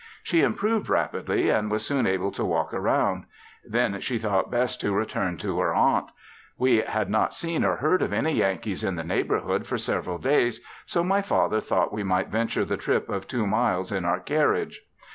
She improved rapidly and was soon able to walk around. Then she thought best to return to her aunt. We had not seen or heard of any Yankees in the neighborhood for several days so my father thought we might venture the trip of two miles in our carriage.